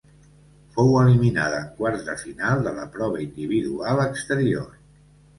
Fou eliminada en quarts de final de la prova individual exterior.